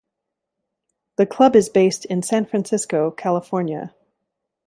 The club is based in San Francisco, California.